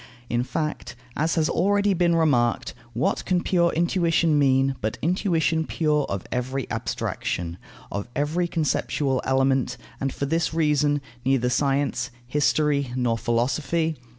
In fact, as has already been remarked, what can pure intuition mean, but intuition pure of every abstraction, of every conceptual element, and, for this reason, neither science, history, nor philosophy?